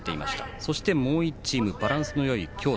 そして、もう１チームバランスのよい京都。